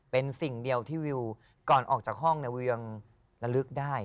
เป็นสิ่งเดียวที่วิวก่อนออกจากห้องวิวยังระลึกได้